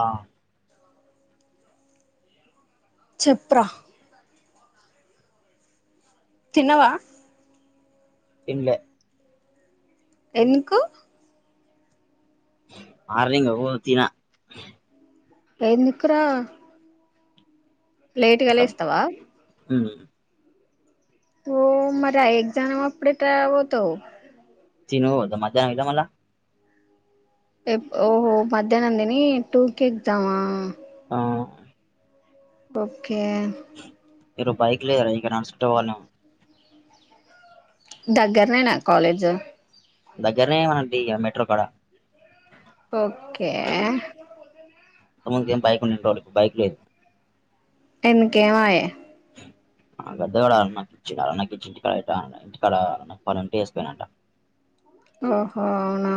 ఆ చెప్ర చిన్నవ తిన్లే ఎందుకు ఆలీ గబ తీనా ఎందుకురా లేట్ గ లేస్తావా ఓ మరి ఏజనాప్పుడ పోతావ్ తిని పోత మజ్జహన వద మలా ఎ ఓహో మధ్యాహ్నం తీని టూ కేగదావ ఆ ఓ ఒకే ఏరు బైక్లే ఇక నడుచుకుంటూ పోవాలెం దగ్గరనేనా కాలేజ్ దగ్గరనేమనండి ఇ మెట్రో కాడ ఓకే స ఏం బైక్ రావాలి బైక్ లెదు ఎందుకే మయే గద్ద కూడా అకిచ్చ అన్నకిచ్చ ఇంటికాడ ఇంటికాడ అంట వేసిపోయినంట ఓహో అవున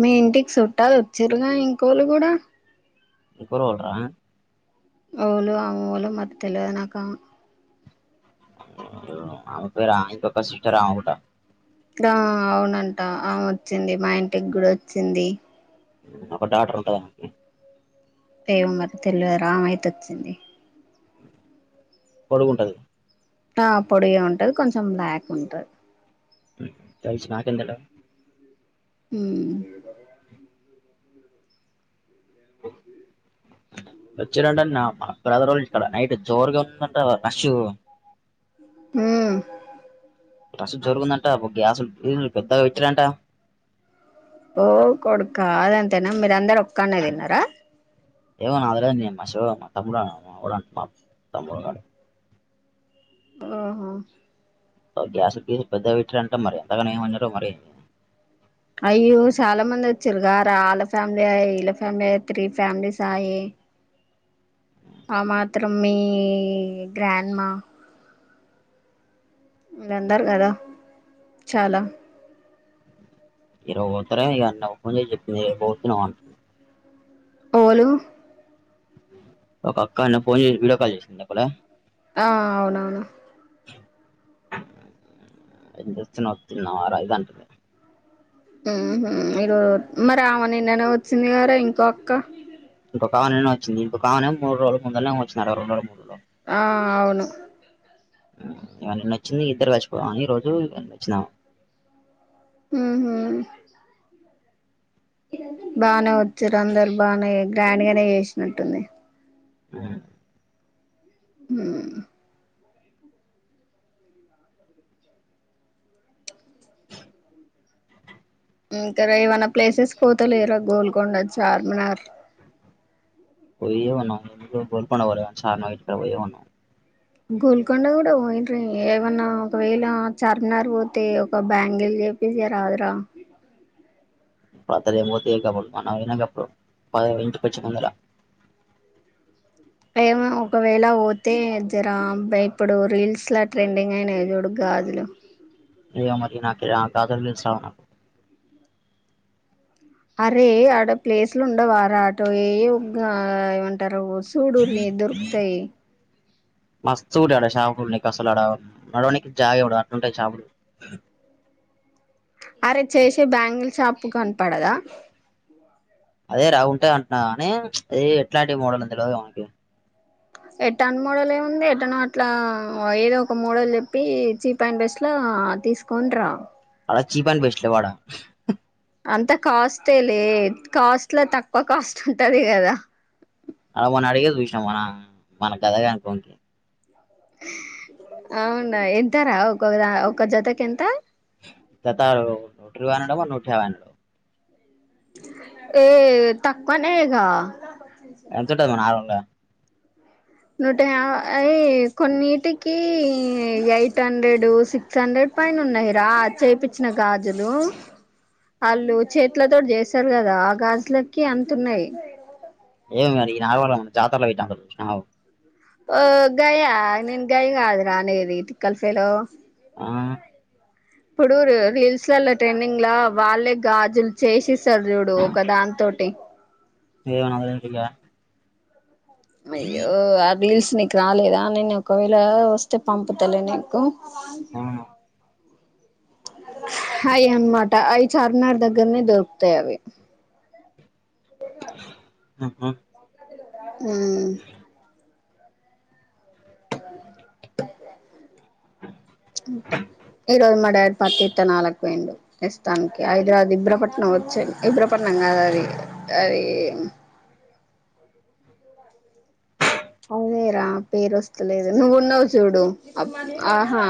మీ ఇంటికి చుట్టాలు వచ్చిరుగా ఇంకోళ్ళు కూడ ఇ కూరడరా అళ అవు ళ మ తెలిద నాక ఫ రా పక్క సిట రావు గట ఇ రా అవునండి ఆ వచ్చింది మా ఇంట్ గుడొచ్చింది ఒక డాక్టర్ ఉంటది మనకి ఏమ మరి తెలియ రామ అయిత వచ్చింది పడుకుంటది ఆ పొడియ ఉంటది కొంచెం బ్లాక్ ఉంటది చ నాకెంతడ హమ్ వచ్చనాట నామా బద రోజు ఇక్కడ నైట్ జోరుగా ట అషు హమ్ రసు జోరుగుందంట గ్యాసులు పెద్దగా పెచ్చారంట ఓ కొడుకదంతేనా మీర అందరు ఒక్కనే తిన్నారా ఏవనా అలామ్మా శివ తమ్మా త ఓహో గ్యాస్ గీసు పెద్దవి పెట్టారంటే మరి ఎంతకన ఏమన్నారో మరి అయ్యో చాలా మంది వచ్చారు గ వాళ్ళ ఫ్యామిలీ అ వీళ్ళ ఫ్యామిలీ అయ త్రీ ఫ్యామిలీస్ ఆయి ఆ మాత్రం మీ గ్రాండ్మా ఇందారు కద చాలా ఇరవతర ఇన్న ఒకంద చెప్పిందితున్నాంటుంది ఓలు ఒక అక్క అన్న ఫోన్ చేసి వీడియో కాల్ చేసిందిక్కడ ఆ అవునవును ఎచ్చినొతున్నా వర ఇదాంటే మీరు మరి ఆమె నిన్ననే వచ్చింది కారా ఇంకొ అక్క ఇం కావాలనే వచ్చంది ఇంకా కావనే మూడురొజుల ముందనే వచ్చన్నారు రెండు మూ రోజలు ఆ అవును ఇవన్నీ నచ్చింది ఇద్దరు చచ్చిపోవని రోజు ఇవన్నీ వచ్చినాము హ్మ్ హు బానే వచ్చారు అందరు బానే గ్రాండ్ గానే చేసినట్టుంది ఉ హ్మ్ ఇంకా ఏమన్నా ప్లేసెస్ పోతలేరు గోల్కొండ చార్మినార్ పోయ్యే ఉన్నాం గోల్కొండ పోలె కానీ చార్మినార్ పోయ్యే ఉన్నాం గోల్కొండ కూడా పోయి ఏమన్నా ఒకవేళ చార్మినార్ పోతే ఒక బ్యాంగిల్ చెప్పేసి రాదురా పోతే కబడు నా విన్న కప్పుడు పద ఇంటికొచ్చే ముందర ఏమో ఒకవేళ పోతే జర ఇప్పుడు రీల్స్ ట్రెండింగ్ అయినా చూడు గాజులు ఏ మరి నాకిరా గాజులు తెల్సా అరే ఆడ ప్లేస్లు ఉండవార అటో ఏ గా ఏమంటారు చూడుర్రి దొరుకుతాయ్ మస్తుగు ఉంటాయ్ ఆడ షాపులు నీకసలాడ నడవనికి జాగ ఇవ్వడు అట్లుంటయి షాపులు అరే చేసే బ్యాంగిల్ షాపు కనపడదా అదేరా ఉంటదంటన్నా గని ఏ ఎట్లాంటి మోడలు తెలువదు నాకి ఎట్టన్ మోడలెండి ఎట్టనో అట్లా ఏదో ఒక మోడల్ చెప్పి చీప్ అండ్ బెస్ట్ ల తీసుకోని రా వా చీప్ అండ్ బెస్ట్లో ఆడా అంత కాస్ట్ లే కాస్ట్ లో తక్కువ కాస్ట్ ఉంటది కదా అలా మొన్న అడిగే చూస్నమ్ మనం మన కదేదనుకుంట లే ఆహ్ అవునా ఎంతార ఒకొకద ఒక్కో జతకెంత జతారు ట్రూ [unintelligible] అన్నాడో నూటా యవై అన్నాడో ఏ తక్కవనే గా ఎంత ఉంటది నార్మల్గా నూట యాఐ కొన్నిటికి ఎయిట్ హండ్రెడ్ సిక్స్ హండ్రెడ్ పైనున్నైరా చేపిచ్చిన గాజులు ఆళ్ళు చేతిలతోటి చేస్తరు గదా ఆ గాజులకి అంత ఉన్నాయి మరి నగారం జతరల పెట్టినప్పుడు జూస్నవ ఓ గయా నేన్ గయ్ కాదురా అనేది తిక్కల్ ఫెలో ఆ ఇప్పుడు రీ రీల్స్ లల్లో ట్రెండింగ్ ల వాళ్ళే గాజులు చేసిస్తరు చూడు ఒక దాని తోటి ఏమో నాకేం తెలీదా అయ్యో ఆ రీల్స్ నీకు రాలేదా నేను ఒకవేళ వస్తే పంపుతలే నీకు ఆ, అయి ఉన్నట అయి చార్మినార్ దగ్గరనే దొరుకుతయి అవి ఉహు మ్మ్ అంతా ఈరోజు మా డాడీ పత్తి ఇత్తనాలకు బోయిండు ప్రస్తానికి హైదరాబాద్ ఇబ్రపట్నం వచ్చి ఇబ్రపట్నం కాదది అది అదేరా పేరస్తలేదు నువ్వున్నవ్ చూడు అబ్ ఆహా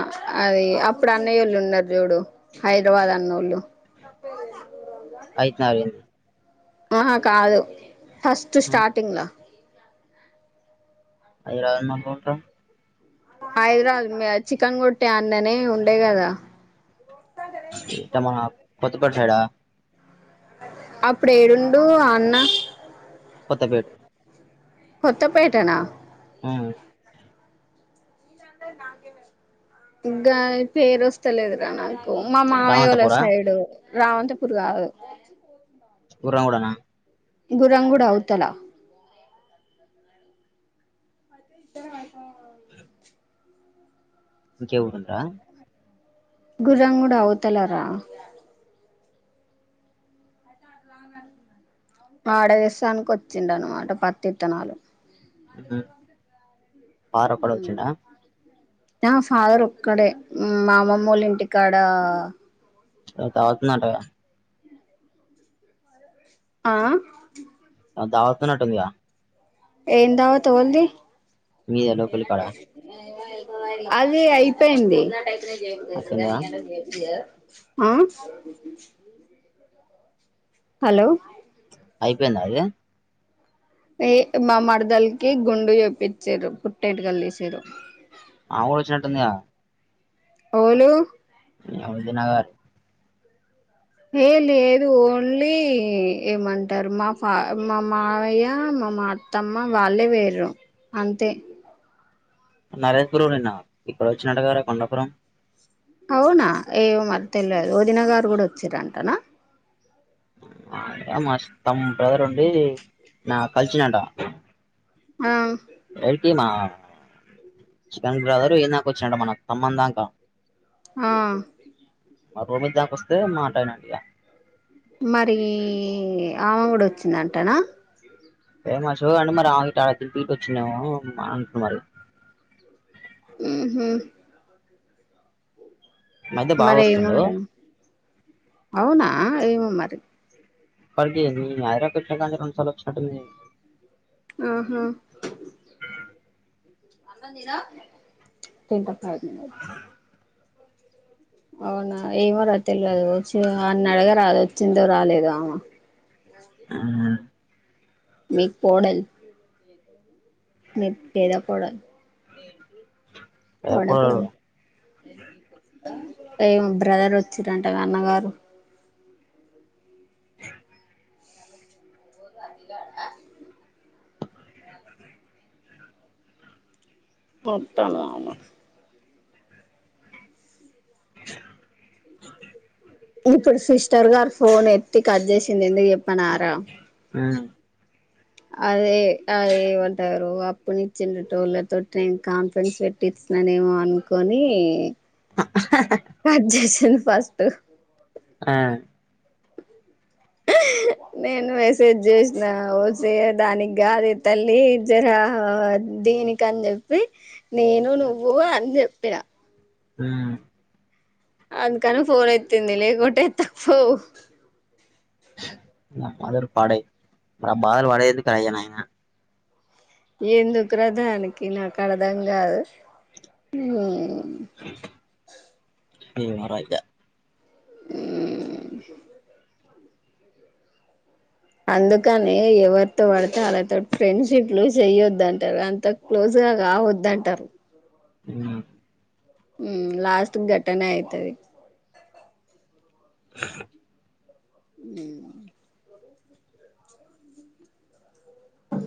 అది అప్పుడు అన్నయ ఓళ్ళు ఉన్నారు జూడు హైదరాబాద్ అన్నోళ్ళు హైత్ నగరు ఆహా కాదు ఫస్ట్ ఆ, స్టార్ంగ్ ల అది రాజమ కోట హైదరాబాద్ గా చికన్ గొట్టే అన్ననే ఉండే కదా అంటే మా పొత్తు కొట్టడ అప్పుడు ఏడుండు అన్న కొత్తపేట కొత్తపేటనా అవును గా పేరు వస్త లేదు రా నాకు మా మామయ్య వాళ్ళ రామంతపురా సైడు రావంతపూర్ కాదు ఉరవ్ వన గురంగుడు అవుతలా ఇద్దర భాష ఇంకే ఊడుందా గుర్రంగూడ అవుతలార వాడదేశానికి వచ్చిండ అనమాట పత్తిత్తనాలు ఇతే వారొకడు వచ్చిండా నా ఫాదర్ ఒక్కడే మా అమ్మమ్మల్ల ఇంటికాడ స్నుత వత్తుందట కదా ఆ అ దావత్ ఉన్నట్టుంది కదా ఏందావత్ గా ఉంది మీ ఎ లోకల్ కాడ అదే అయిపోయింది వచ్చిందా జయిద న జ ఆ హలో అయిపోయిందా అది ఏ మా మరదలకి గుండు చేప్పించారు పుట్టెంటికలు తీసారు ఆవొచ్చినట్టుంది గా అవులు అవదినగర్ ఏ లేదు ఓన్లీ ఏమంటారు మా ఫ మా మాయ్య మా మా అత్తమ్మ వాళ్ళే వేరరు అంతే నరేష్ గుర నిన్న ఇప్పుడు వచ్చినటు గార కొండపురం అవునా ఏమో మరి తెలియదు ఓదిన గారు కూడా వచ్చారంటనా అ మా తమ బ్రదర్ ఉండి నా కలిసినట ఆమ్ ఎవరికి మా చికెన్ గ్రాదర్ ఏందాక వచ్చా మన ఖమ్మం దాకా ఆ రోహత్ దాకొస్తే మాటయినండిక మరి ఆమ కూడా వచ్చిందంటనా ఫేమా సో అన్న మరి ఆ ఆల త వచ్చే మరి ముహు మధ్య బాగా మరి వస్తుండు ఇన్నార అవునా ఏమో మరి పరిగ అదిరాకచ్చ రెం సలక్షటుంది ఆహా ఎంత అవునా ఏమో రా తెలివదు వచ్చి అన్న అడగ రాదు వచ్చిందో రాలేదు ఆమ ఆమ్ మీ కోడల్ మీ పేద కోడల్ ఎప్పుడు ఎమ్ బ్రదర్ వచ్చిరంట నాన్నగారు ఓ అది మొట్టలాము ఇప్పుడు సిస్టర్ గారు ఫోన్ ఎత్తి కట్ చేసింది ఎందుకు చెప్పనారా ఆమ్ అదే అదేమంటారు అప్పునిచ్చిన టోళ్ళతో నేను కాన్ఫరెన్స్ పెట్టిచ్చన్నాన ఏమో అనుకొని అజ తిను ఫస్ట్ ఆ నేను మెసేజ్ చేసినా ఓసే దానికాదే తల్లి జరా దీనికని చెప్పి నేను నువ్వు అని చె చెపిరా హమ్ అందుకను ఫోన్ ఎతింది లే గట ఎత్తాక్ పో బదిరు పాడై అ బాలు పాడ కర ఎందుకురాధానికి నాకు అర్థం కాదు అమ్ ధీమార్యా ఆమ్ అందుకని ఎవరితో పడితే వాళ్ళతో ఫ్రెండ్షిప్లు చెయ్యొద్దంటారు అంత క్లోజ్ గా కావద్దంటారు హ్మ్ హ్మ్ లాస్ట్ ఘట్టనే అయితది హ్మ్ అ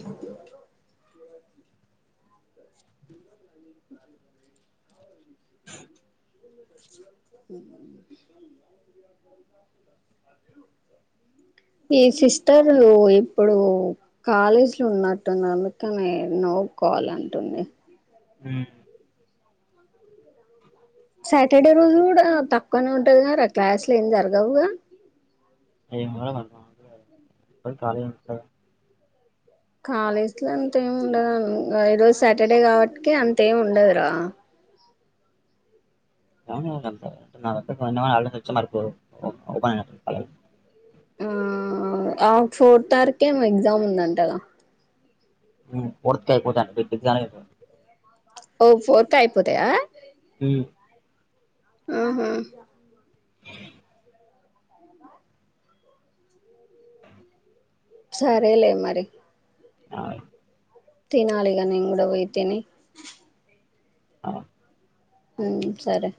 హ్మ్ ఈ సిస్టర్లు ఇప్పుడు కాలేజీ లో ఉన్నట్టున్న అందుకనే నో కాల్ అంటుంది హ్మ్ సాటర్డే రోజు కూడా తక్కువనే ఉంటది కదారా క్లాసులు ఏం జరగవుగా అయళ వర్ అయినా కాలేజ్ కాలేజ్ లో అంతేమి ఉండదు ఈరోజు సాటర్డే కాబట్టికి అంత ఏమి ఉండదురా పో [unintelligible] ఆ ఆ ఫోర్త్ అవర్కే ఏమో ఎగ్జామ్ ఉందంటగా ఫోర్త్అయిపోతా ఓ ఫోర్త్ అయిపోతాయా ఉమ్ అహా సరేలే మరి అవ్ తినాలి గా నిను గూడ పోయి తిని అవ్ హ్మ్ సరే